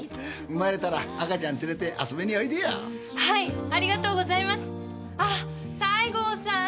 生まれたら赤ちゃん連れて遊びにおいでよはいありがとうございますあっ西郷さん